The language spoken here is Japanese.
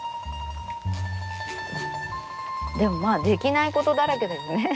でもまあできないことだらけだよね。